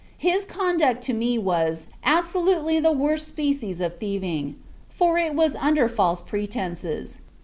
His conduct to me was, absolutely, the worst species of thieving; for, it was under false pretences.